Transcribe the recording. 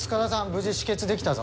無事止血できたぞ。